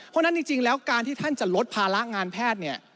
เพราะฉะนั้นจริงแล้วการที่ท่านจะลดภาระงานแพทย์เนี่ย